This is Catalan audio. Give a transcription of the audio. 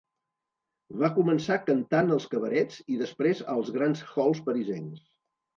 Va començar cantant als cabarets i després als grans halls parisencs.